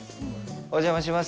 お邪魔します。